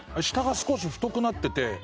下が少し太くなってて。